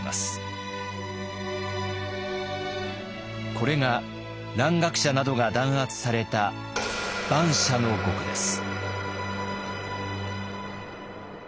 これが蘭学者などが弾圧された蛮社の獄です。